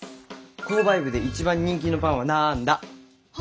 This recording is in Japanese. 購買部で一番人気のパンはなんだ？は？